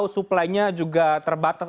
suplai nya juga terbatas